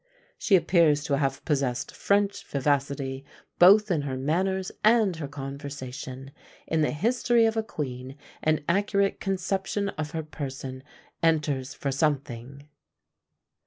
" She appears to have possessed French vivacity both in her manners and her conversation: in the history of a queen, an accurate conception of her person enters for something.